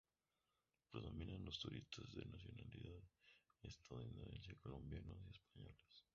Predominan los turistas de nacionalidad estadounidense, colombianos y españoles.